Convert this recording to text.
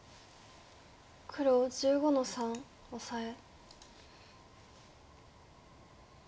黒１５の三オサエ。